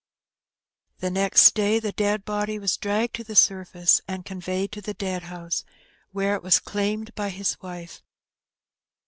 The next day the dead body was dragged to the surface, and conveyed to the dead house, where it was claimed by his wife.